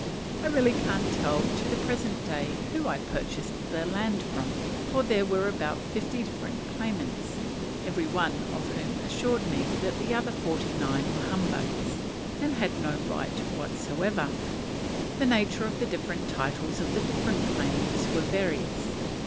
I really can't tell to the present day who I purchased the land from, for there were about fifty different claimants, every one of whom assured me that the other forty nine were "humbugs," and had no right whatever. The nature of the different titles of the different claimants were various.